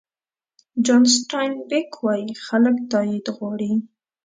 جان سټاین بېک وایي خلک تایید غواړي.